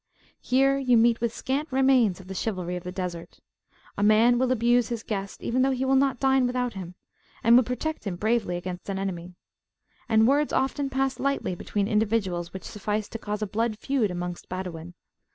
Here you meet with scant remains of the chivalry of the Desert. A man will abuse his guest, even though he will not dine without him, and would protect him bravely against an enemy. And words often pass lightly between individuals which suffice to cause a blood feud amongst Badawin.